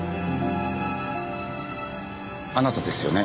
あなたですよね？